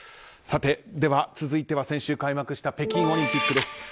さて、続いては先週開幕した北京オリンピックです。